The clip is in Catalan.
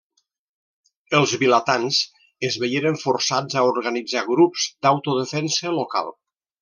Els vilatans es veieren forçats a organitzar grups d'autodefensa local.